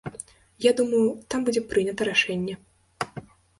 Я думаю, там будзе прынята рашэнне.